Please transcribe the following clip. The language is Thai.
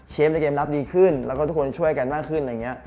ในเกมรับดีขึ้นแล้วก็ทุกคนช่วยกันมากขึ้นอะไรอย่างนี้